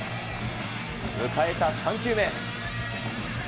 迎えた３球目。